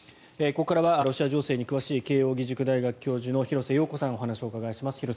ここからはロシア情勢に詳しい慶応義塾大学教授の廣瀬陽子さんにお話をお伺いします。